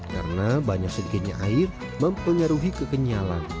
karena banyak sedikitnya air mempengaruhi kekenyalan